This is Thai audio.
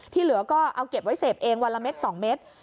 เหลือก็เอาเก็บไว้เสพเองวันละเม็ด๒เม็ด